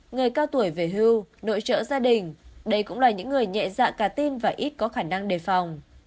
người cao tuổi về hưu nội trợ gia đình đây cũng là những người nhẹ dạ cả tin và ít có khả năng đề phòng